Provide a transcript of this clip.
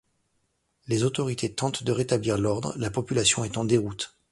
Les autorités tentent de rétablir l'ordre, la population est en déroute.